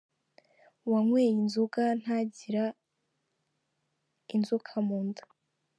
Uwanyweye inzoga ntagira inzoka mu nda